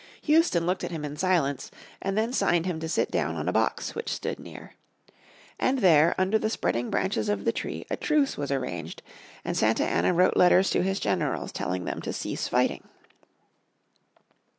Houston looked at him in silence, and then signed him to sit down on a box which stood near. And there under the spreading branches of the tree a truce was arranged, and Santa Anna wrote letters to his generals telling them to cease fighting.